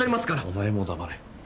お前も黙れ。